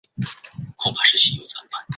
棚仓町是位于福岛县东白川郡的一町。